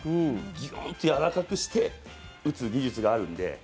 ギューンとやわらかくして打つ技術があるんで。